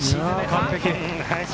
完璧！